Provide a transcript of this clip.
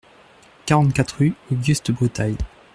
quarante-quatre rue Auguste Brutails